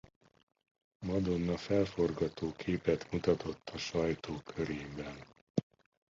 Madonna felforgató képet mutatott a sajtó körében.